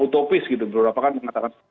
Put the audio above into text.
utopis gitu beberapa kan mengatakan